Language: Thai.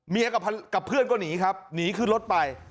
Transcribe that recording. กับเพื่อนก็หนีครับหนีขึ้นรถไป